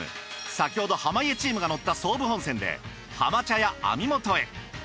先ほど濱家チームが乗った総武本線で浜茶屋網元へ。